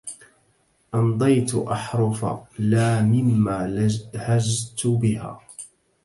أنضيت أحرف لا مما لهجت بها